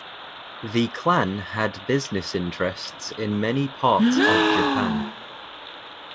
The clan had business interests in many parts of Japan.